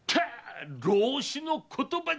老子の言葉じゃ！